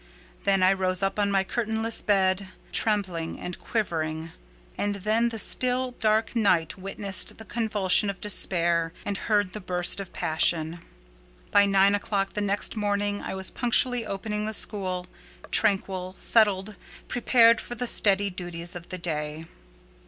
Then I rose up on my curtainless bed, trembling and quivering; and then the still, dark night witnessed the convulsion of despair, and heard the burst of passion. By nine o'clock the next morning I was punctually opening the school; tranquil, settled, prepared for the steady duties of the day.